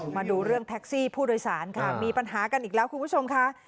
มาดูเรื่องแท็กซี่ผู้โดยสารค่ะมีปัญหากันอีกแล้วคุณผู้ชมค่ะ